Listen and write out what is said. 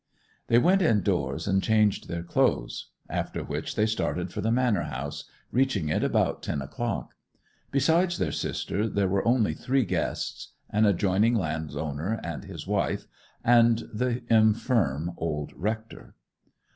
They went indoors and changed their clothes; after which they started for the manor house, reaching it about ten o'clock. Besides their sister there were only three guests; an adjoining landowner and his wife, and the infirm old rector.